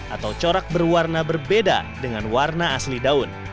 atau corak berwarna berbeda dengan warna asli daun